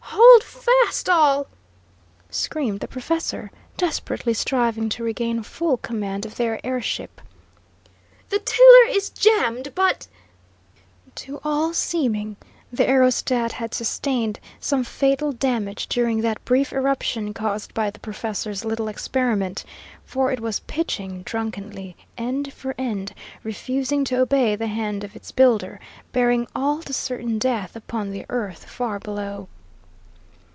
Hold fast, all!" screamed the professor, desperately striving to regain full command of their air ship. "The tiller is jammed, but " To all seeming, the aerostat had sustained some fatal damage during that brief eruption caused by the professor's little experiment, for it was pitching drunkenly end for end, refusing to obey the hand of its builder, bearing all to certain death upon the earth far below.